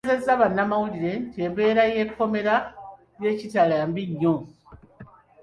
Ategeezezza bannamawulire nti embeera y’ekkomera ly’e Kitalya mbi nnyo.